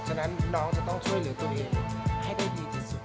ฉะนั้นน้องจะต้องช่วยเหลือตัวเองให้ได้ดีที่สุด